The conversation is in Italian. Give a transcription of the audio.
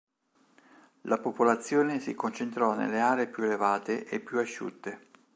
La popolazione si concentrò nelle aree più elevate e più asciutte.